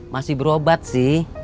masih berobat sih